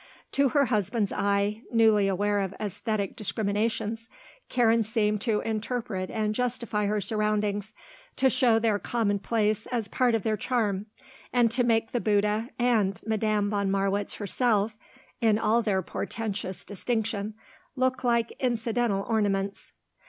To her husband's eye, newly aware of æsthetic discriminations, Karen seemed to interpret and justify her surroundings, to show their commonplace as part of their charm and to make the Bouddha and Madame von Marwitz herself, in all their portentous distinction, look like incidental ornaments.